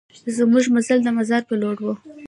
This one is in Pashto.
زمونږ مزل د مزار په لور و.